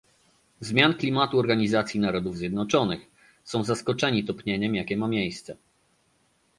Zmian Klimatu Organizacji Narodów Zjednoczonych, są zaskoczeni topnieniem, jakie ma miejsce